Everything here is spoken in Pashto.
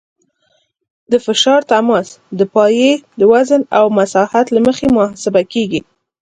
د فشار تماس د پایې د وزن او مساحت له مخې محاسبه کیږي